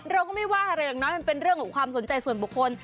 เราก็ไม่ว่าอะไรอย่างน้อยมันเป็นเรื่องของความสนใจส่วนบุคคล